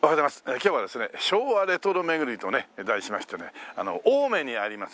今日はですね昭和レトロ巡りとね題しましてね青梅にあります